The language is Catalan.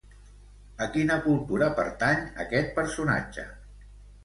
A quina cultura pertany aquest personatge?